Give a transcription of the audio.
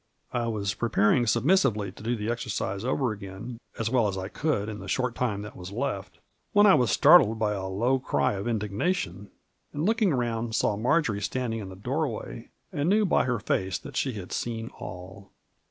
I was preparing submissively to do the exercise over again as well as I could in the short time that was left, when I was startled by a low cry of indignation, and looking round, saw Marjory standing in the doorway, and knew by her face that she had seen all.